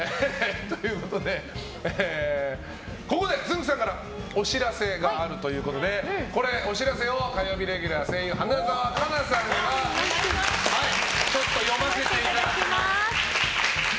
ということでここでつんく♂さんからお知らせがあるということでお知らせを火曜レギュラー声優・花澤香菜さんが読ませていただきます。